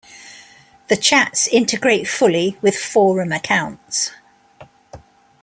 The chats integrate fully with forum accounts.